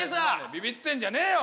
ビビってんじゃねえよお前！